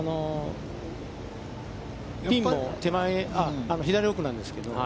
ピンも手前、左奥なんですけど。